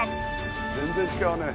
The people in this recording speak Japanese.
全然違うね